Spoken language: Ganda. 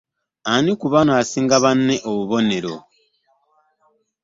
Ani ku bano asinga banne obubonero?